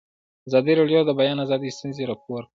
ازادي راډیو د د بیان آزادي ستونزې راپور کړي.